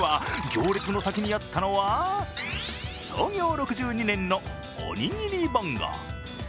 行列の先にあったのは、創業６２年のおにぎりぼんご。